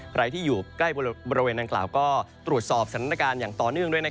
ใครที่อยู่ใกล้บริเวณดังกล่าวก็ตรวจสอบสถานการณ์อย่างต่อเนื่องด้วย